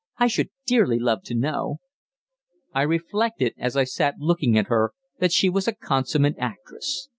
"I should dearly love to know." I reflected, as I sat looking at her, that she was a consummate actress.